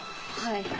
はい。